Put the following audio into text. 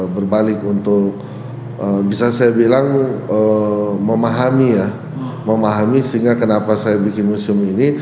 berbalik untuk bisa saya bilang memahami ya memahami sehingga kenapa saya bikin museum ini